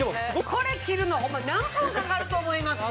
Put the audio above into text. これ切るのホンマに何分かかると思います？